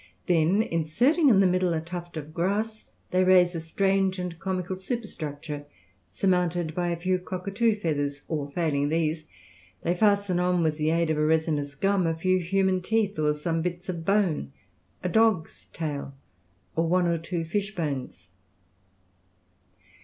Then inserting in the middle a tuft of grass, they raise a strange and comical superstructure, surmounted by a few cockatoo feathers; or failing these, they fasten on, with the aid of a resinous gum, a few human teeth, or some bits of bone, a dog's tail, or one or two fish bones.